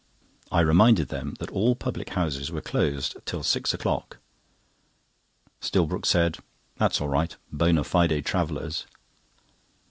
I reminded them that all public houses were closed till six o'clock. Stillbrook said, "That's all right—bona fide travellers."